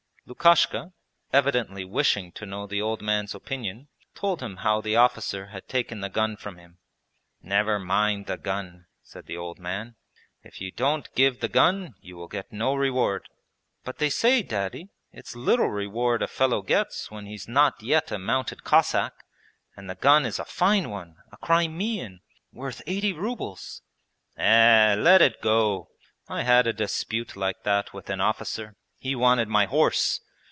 Lukashka, evidently wishing to know the old man's opinion, told him how the officer had taken the gun from him. 'Never mind the gun,' said the old man. 'If you don't give the gun you will get no reward.' 'But they say. Daddy, it's little reward a fellow gets when he is not yet a mounted Cossack; and the gun is a fine one, a Crimean, worth eighty rubles.' 'Eh, let it go! I had a dispute like that with an officer, he wanted my horse.